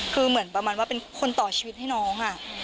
คือเหมือนประมาณว่าเป็นคนต่อชีวิตให้น้อง